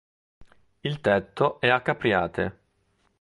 Il tetto è a capriate.